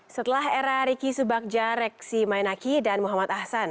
setelah era riki subakja reksi mainaki dan muhammad ahsan